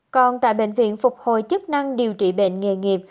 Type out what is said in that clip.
còn tại bệnh viện phục hồi chức năng điều trị bệnh nghề nghiệp